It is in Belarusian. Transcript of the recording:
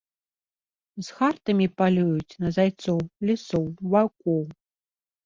З хартамі палююць на зайцоў, лісоў, ваўкоў.